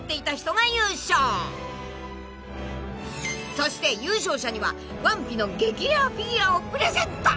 ［そして優勝者には『ワンピ』の激レアフィギュアをプレゼント］